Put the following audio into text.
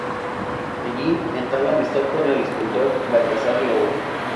Allí entabla amistad con el escultor Baltasar Lobo.